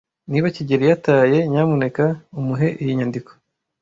Niba kigeli yataye, nyamuneka umuhe iyi nyandiko.